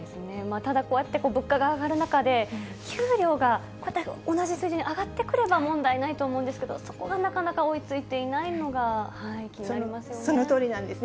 ただ、こうやって物価が上がる中で、給料がこうやって同じ水準に上がってくれば問題ないと思うんですけれども、そこがなかなか追いついていないそのとおりなんですね。